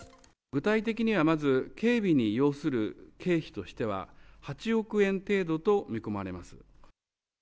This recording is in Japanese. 具体的にはまず、警備に要する経費としては８億円程度と見込まれます。